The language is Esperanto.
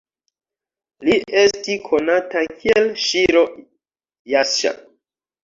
Li esti konata kiel Ŝiro-Jaŝa.